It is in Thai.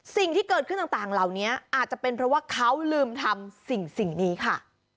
สิ่งที่เกิดขึ้นต่างเหล่านี้อาจจะเป็นเพราะว่าเขาลืมทำสิ่งนี้ค่ะ